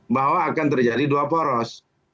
bahwa akan terjadi dua poros